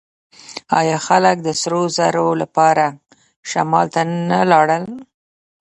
آیا خلک د سرو زرو لپاره شمال ته نه لاړل؟